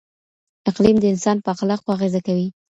اقلیم د انسان په اخلاقو اغېزه کوي.